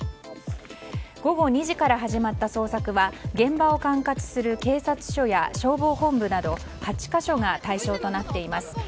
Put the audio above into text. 午後２時から始まった捜索は現場を管轄する警察署や消防本部など８か所が対象となっています。